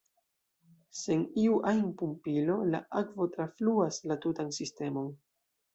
Sen iu ajn pumpilo la akvo trafluas la tutan sistemon.